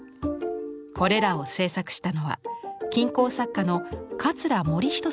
これらを制作したのは金工作家の桂盛仁さんです。